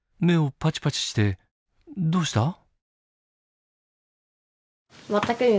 目をパチパチしてどうした？